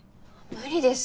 無理です！